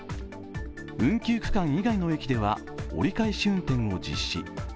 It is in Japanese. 運休区間以外の駅では折り返し運転を実施。